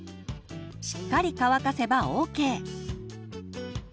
しっかり乾かせばＯＫ。